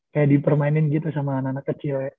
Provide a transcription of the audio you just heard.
kayak dipermainin gitu sama anak anak kecil